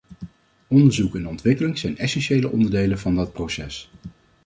Onderzoek en ontwikkeling zijn essentiële onderdelen van dat proces.